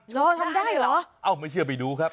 รอทำได้เหรอเอ้าไม่เชื่อไปดูครับ